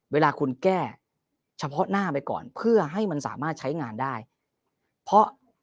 เวลาคุณแก้เฉพาะหน้าไปก่อนเพื่อให้มันสามารถใช้งานได้เพราะ